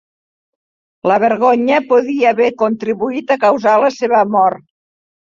La vergonya podria haver contribuït a causar la seva mort.